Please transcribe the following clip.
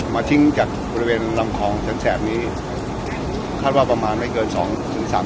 มาทิ้งจากบริเวณลำคลองทั้งแสบนี้คาดว่าประมาณไม่เกิน๒๓กิโลกรัม